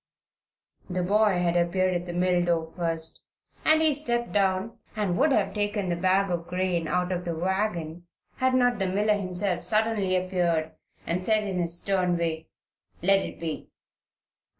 The boy had appeared at the mill door first, and he stepped down and would have taken the bag of grain out of the wagon, had not the miller himself suddenly appeared and said, in his stern way: "Let it be."